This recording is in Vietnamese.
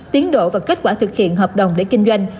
tiến độ và kết quả thực hiện hợp đồng để kinh doanh